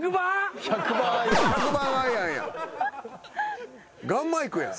１００番アイアンや。